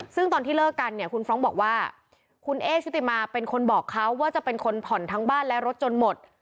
ซึ่งตอนที่เลิกกันเนี่ยคุณฟรองก์บอกว่าคุณเอ๊ชุติมาเป็นคนบอกเขาว่าจะเป็นคนผ่อนทั้งบ้านและรถจนหมด